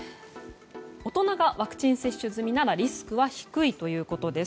大人がワクチン接種済みならリスクは低いということです。